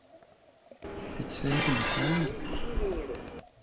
Ekisero kino kyange?